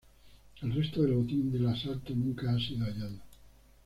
El resto del botín del asalto nunca ha sido hallado.